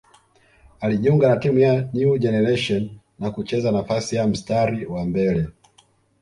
Alijiunga na timu ya New Generation na kucheza nafasi ya mstari wa mbele